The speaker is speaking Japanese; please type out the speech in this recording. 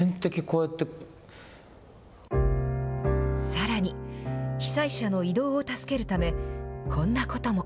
さらに、被災者の移動を助けるため、こんなことも。